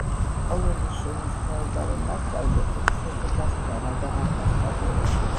ყოველი შენი ზნეობა რომ მასწავლე, ეგ ხეზე გასვლა რად აღარ მასწავლეო?